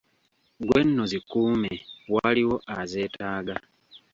"Gwe nno zikuume , waliwo azeetaaga."